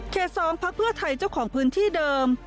๒พักเพื่อไทยเจ้าของพื้นที่เดิม